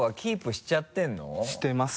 してます。